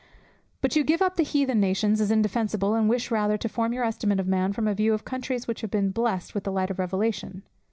But you give up the heathen nations as indefensible, and wish rather to form your estimate of man from a view of countries which have been blessed with the light of revelation.